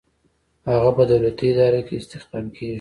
هغه په دولتي اداره کې استخدام کیږي.